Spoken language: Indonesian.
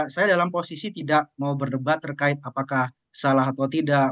saya dalam posisi tidak mau berdebat terkait apakah salah atau tidak